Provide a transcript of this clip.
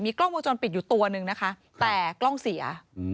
กล้องวงจรปิดอยู่ตัวนึงนะคะแต่กล้องเสีย